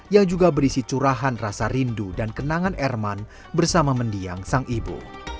yang juga berisi curahan rasa rindu dan kenangan erman bersama mendiang sang ibu